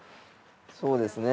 そうですね